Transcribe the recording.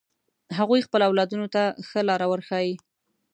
هغوی خپل اولادونو ته ښه لار ورښایی